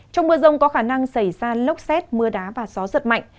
trong mưa rông có khả năng xảy ra lốc xét mưa đá và gió giật mạnh